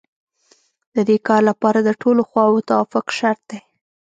د دې کار لپاره د ټولو خواوو توافق شرط دی